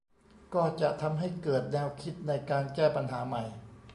ก็จะทำให้เกิดแนวคิดในการแก้ปัญหาใหม่